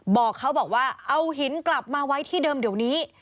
บอกเขาบอกว่าเอาหินกลับมาไว้ที่เดิมเดี๋ยวนี้